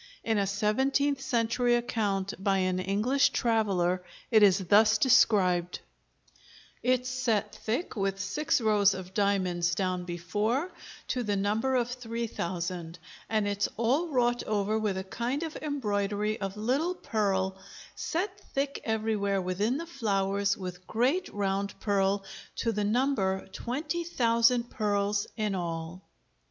In a seventeenth century account by an English traveller it is thus described: Its set thick with six rows of diamonds downe before, to the number of three thousand, and its all wrought over with a kinde of embroidery of little pearle set thick everywhere within the flowers with great round pearle, to the number twenty thousand pearles in all.